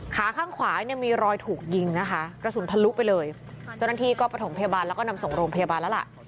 คางขวามีรอยถูกยิงนะคะกระสุนทั้งที่ไปเลยจนกว่ารถงทิพยาบาลและก็นำส่งโรงพยาบาลแล้วละ